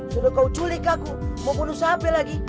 sudah kau culik aku mau bunuh sampai lagi